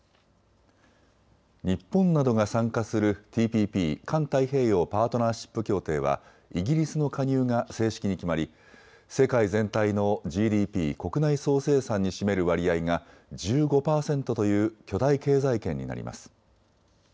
日本などが参加するＴＰＰ・環太平洋パートナーシップ協定はイギリスの加入が正式に決まり世界全体のＧＤＰ・国内総生産に占める割合が１５％という巨大経済圏になります。